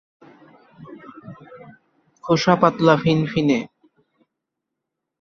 খোসা পাতলা ফিনফিনে।